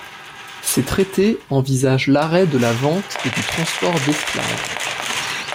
Ces traités envisagent l'arrêt de la vente et du transport d'esclaves.